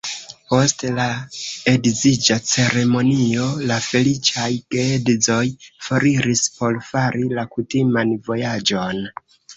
Post la edziĝa ceremonio, la feliĉaj geedzoj foriris por fari la kutiman vojaĝon.